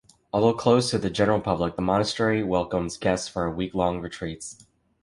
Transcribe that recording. Although closed to the general public, the monastery welcomes guests for week-long retreats.